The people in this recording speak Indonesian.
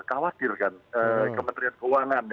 khawatir kan kementerian keuangan